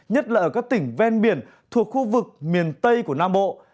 nhất là ở các tỉnh ven biển thuộc khu vực miền tây của nam bộ